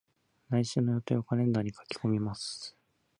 来週の予定をカレンダーに書き込みます。